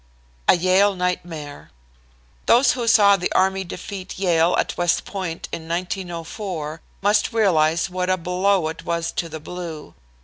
A YALE NIGHTMARE Those who saw the Army defeat Yale at West Point in 1904 must realize what a blow it was to the Blue.